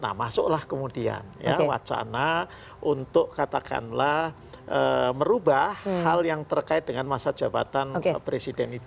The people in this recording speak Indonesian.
nah masuklah kemudian ya wacana untuk katakanlah merubah hal yang terkait dengan masa jabatan presiden itu